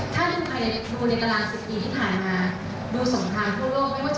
การศึกษาประเทศเราแตกต่างกันทุกอย่าง